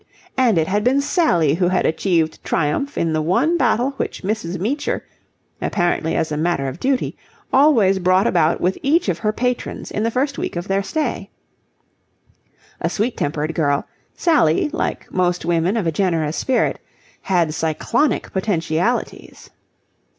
And it had been Sally who had achieved triumph in the one battle which Mrs. Meecher, apparently as a matter of duty, always brought about with each of her patrons in the first week of their stay. A sweet tempered girl, Sally, like most women of a generous spirit, had cyclonic potentialities.